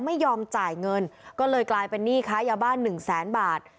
ไม่ยอมจ่ายเงินก็เลยกลายเป็นหนี้ค้ายาบ้านหนึ่งแสนบาท